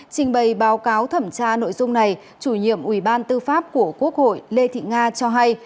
trình bày báo cáo thẩm tra nội dung này chủ nhiệm ubnd của quốc hội lê thị nga cho hay